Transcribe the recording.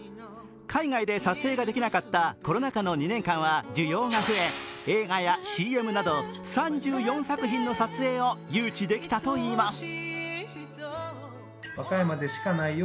海外で撮影ができなかったコロナ禍の２年間は需要が増え、映画やＣＭなど３４作品の撮影を誘致できたといいます。